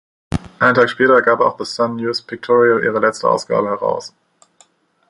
Einen Tag später gab auch "The Sun News-Pictorial" ihre letzte Ausgabe heraus.